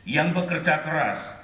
yang bekerja keras